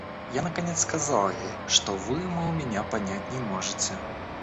Я наконец сказал ей, что вы, мол, меня понять не можете.